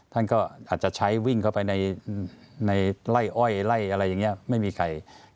ท่านก็อาจจะใช้วิ่งเข้าไปในไล่อ้อยไล่อะไรอย่างนี้ไม่มีใคร